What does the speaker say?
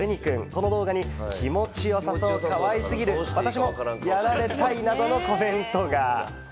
この動画に気持ちよさそう、可愛過ぎる、私もやられたい、などのコメントが。